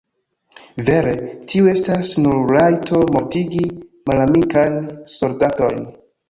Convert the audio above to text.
Vere tiu estas nur rajto mortigi malamikajn soldatojn.